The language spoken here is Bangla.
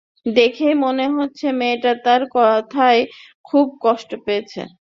দেখেই মনে হচ্ছে মেয়েটা তার কথায় খুব কষ্ট পেয়েছে।